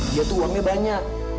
dia tuh uangnya banyak